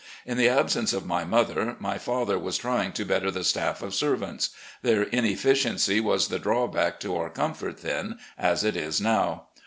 In the absence of my mother, my father was trying to better the staff of servants. Their inefficiency was the drawback to our comfort then, as it is now.